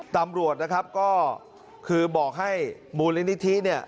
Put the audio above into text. ตำรวจนะครับก็คือบอกให้มูลนิธิเนี่ย